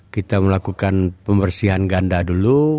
kita melakukan pembersihan ganda dulu